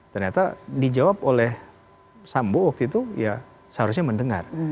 ternyata dijawab oleh sambo waktu itu ya seharusnya mendengar